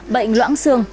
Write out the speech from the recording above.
bệnh loãng xương